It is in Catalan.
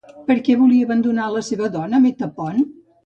Per què volia abandonar a la seva dona Metapont?